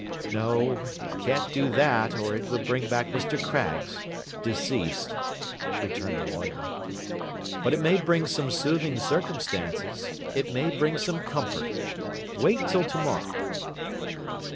'No. It can't do that, or it would bring back Mr. Craggs, deceased,' returned the lawyer. 'But it may bring some soothing circumstances; it may bring some comfort. Wait till to morrow!